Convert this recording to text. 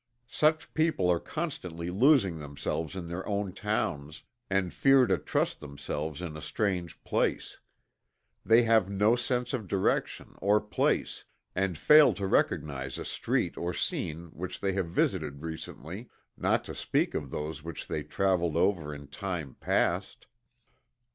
Such people are constantly losing themselves in their own towns, and fear to trust themselves in a strange place. They have no sense of direction, or place, and fail to recognize a street or scene which they have visited recently, not to speak of those which they traveled over in time past.